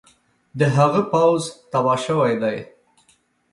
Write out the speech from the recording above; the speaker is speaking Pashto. د هغه پوځ تباه شوی دی.